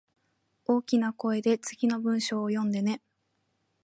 大きな声で次の文章を読んでね